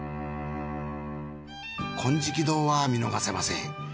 金色堂は見逃せません。